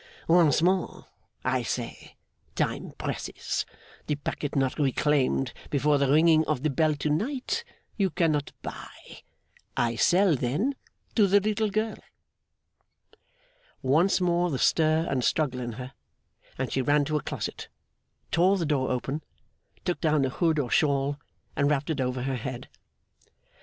Once more I say, time presses. The packet not reclaimed before the ringing of the bell to night, you cannot buy. I sell, then, to the little girl!' Once more the stir and struggle in her, and she ran to a closet, tore the door open, took down a hood or shawl, and wrapped it over her head.